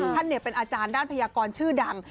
ท่านเป็นอาจารย์ด้านพยากรชื่อดัง